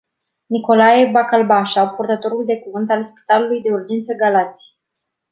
Nicolae bacalbașa, purtătorul de cuvânt al spitalului de urgență Galați.